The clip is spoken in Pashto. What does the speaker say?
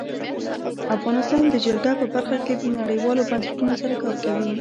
افغانستان د جلګه په برخه کې نړیوالو بنسټونو سره کار کوي.